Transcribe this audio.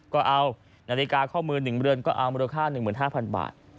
นาฬิกาข้อมือ๑เบอร์ก็เอามูลค่า๑๕๐๐๐บาท